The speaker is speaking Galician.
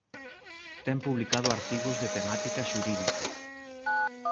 Ten publicado artigos de temática xurídica.